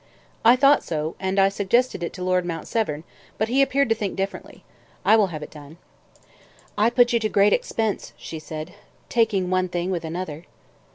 "I thought so, and I suggested it to Lord Mount Severn but he appeared to think differently. I will have it done." "I put you to great expense," she said, "taking one thing with another."